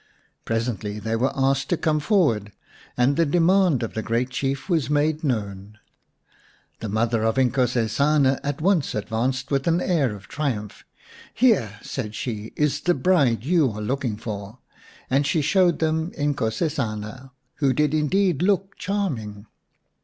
Presently they were asked to come forward and the demand of the great Chief was made known. The mother of Inkosesana at once advanced with an air of triumph. " Here," said she, " is the bride you are looking for," and she showed them Inkosesana, who did indeed look charming.